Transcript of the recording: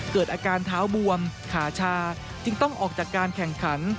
เกิดอาการเท้าบวมขาชาจึงต้องออกจากการแข่งขัน